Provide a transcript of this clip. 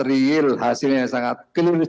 real hasilnya sangat kelinis